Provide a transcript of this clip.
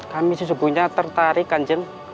kami sesungguhnya tertarik kanjeng